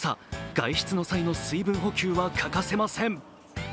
外出の際の水分補給は欠かせません。